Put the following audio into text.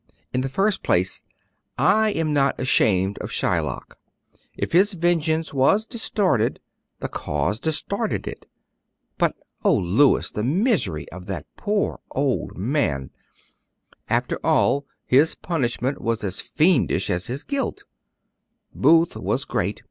In the first place, I was not ashamed of Shylock; if his vengeance was distorted, the cause distorted it. But, oh, Louis, the misery of that poor old man! After all, his punishment was as fiendish as his guilt. Booth was great.